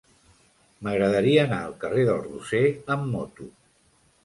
M'agradaria anar al carrer del Roser amb moto.